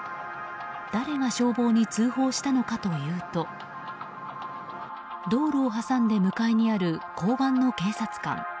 誰が消防に通報したのかというと道路を挟んで向かいにある交番の警察官。